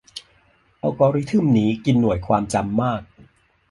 อัลกอริทึมนี้กินหน่วยความจำมาก